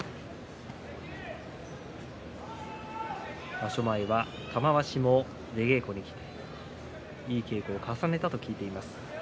場所前は玉鷲も出稽古に来ていい稽古を重ねたと聞いています。